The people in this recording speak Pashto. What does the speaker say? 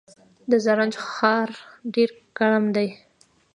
د زرنج ښار ډیر ګرم دی